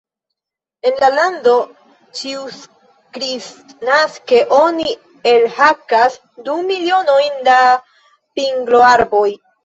En la lando ĉiukristnaske oni elhakas du milionojn da pingloarboj.